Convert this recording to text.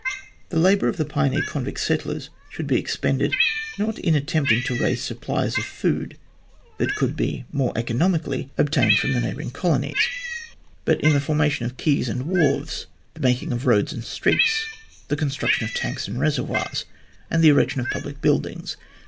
The labour of the pioneer convict settlers should be expended, not in attempting to raise supplies of food that could be more economically obtained from the 36 THE GLADSTONE COLONY neighbouring colonies, but in the formation of quays and wharves, the making of roads and streets, the construction of tanks and reservoirs, and the erection of public buildings.